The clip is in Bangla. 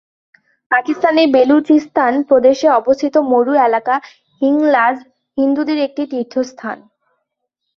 পাকিস্তানে বেলুচিস্তান প্রদেশে অবস্থিত মরু এলাকা 'হিংলাজ' হিন্দুদের একটি তীর্থস্থান।